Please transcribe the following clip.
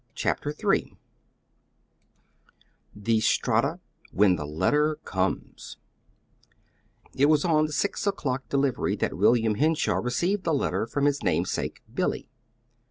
CHAPTER III THE STRATA WHEN THE LETTER COMES It was on the six o'clock delivery that William Henshaw received the letter from his namesake, Billy.